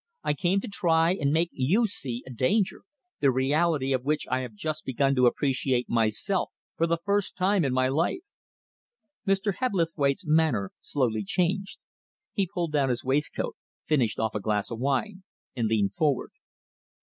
I came to try and make you see a danger, the reality of which I have just begun to appreciate myself for the first time in my life." Mr. Hebblethwaite's manner slowly changed. He pulled down his waistcoat, finished off a glass of wine, and leaned forward.